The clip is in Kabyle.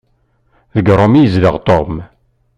Deg Rome i yezdeɣ Tom.